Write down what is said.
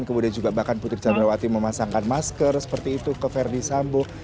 kemudian juga bahkan putri candrawati memasangkan masker seperti itu ke verdi sambo